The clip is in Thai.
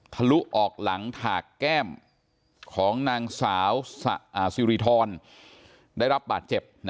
ลุออกหลังถากแก้มของนางสาวสิริธรได้รับบาดเจ็บ